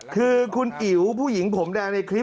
คือคุณอิ๋วผู้หญิงผมแดงในคลิป